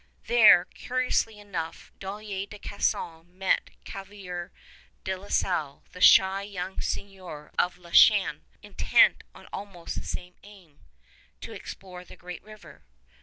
There, curiously enough, Dollier de Casson met Cavalier de La Salle, the shy young seigneur of La Chine, intent on almost the same aim, to explore the Great River.